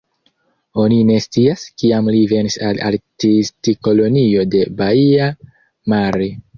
Oni ne scias, kiam li venis al Artistkolonio de Baia Mare.